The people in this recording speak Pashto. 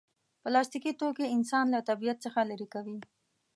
پلاستيکي توکي انسان له طبیعت څخه لرې کوي.